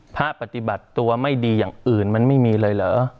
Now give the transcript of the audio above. ปฏิบัติตัวไม่ดีอย่างอื่นมันไม่มีเลยเหรอ